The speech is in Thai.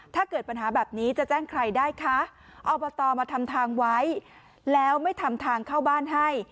ถ้าเกิดปัญหาแบบนี้จะแจ้งใครได้คะอบตมาทำทางไว้แล้วไม่ทำทางเข้าบ้านให้